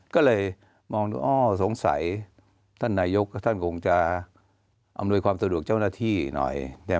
ก็เลยมองดูอ้อสงสัยท่านนายกท่านคงจะอำนวยความสะดวกเจ้าหน้าที่หน่อย